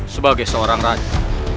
sebagai seorang raja